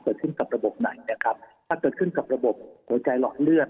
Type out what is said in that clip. กลับขึ้นของระบบไหนเนี่ยครับถ้าเกิดขึ้นกับระบบโหใจหลอเรือด